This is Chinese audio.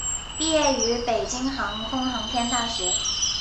毕业于北京航空航天大学。